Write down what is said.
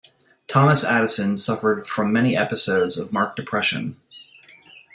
Thomas Addison suffered from many episodes of marked depression.